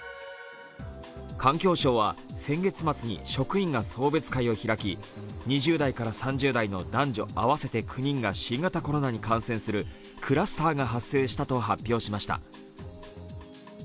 環境省は先月末に職員が送別会を開き２０代から３０代の男女合わせて９人が新型コロナに感染するクラスターが発生したと発表しました。